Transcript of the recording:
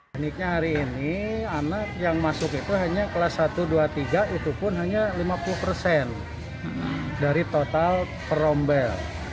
tekniknya hari ini anak yang masuk itu hanya kelas satu dua tiga itu pun hanya lima puluh persen dari total per rombel